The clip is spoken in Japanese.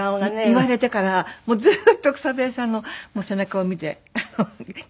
言われてからもうずっと草笛さんの背中を見てきたんですけど。